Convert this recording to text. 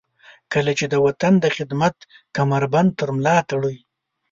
کله چې د وطن د خدمت کمربند تر ملاتړئ.